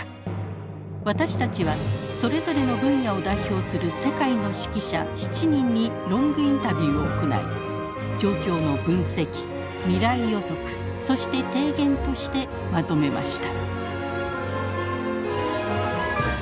私たちはそれぞれの分野を代表する世界の識者７人にロングインタビューを行い状況の分析未来予測そして提言としてまとめました。